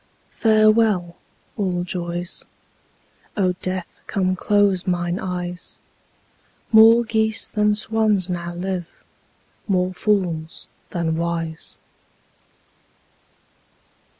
Farewell, all joys; O Death, come close mine eyes; More geese than swans now live, more fools than wise.